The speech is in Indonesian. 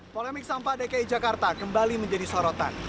polemik sampah dki jakarta kembali menjadi sorotan